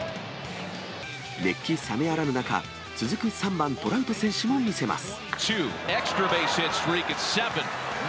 熱気冷めやらぬ中、続く３番トラウト選手も見せます。